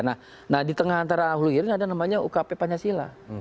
nah di tengah antara ahli girinya ada namanya ukp pancasila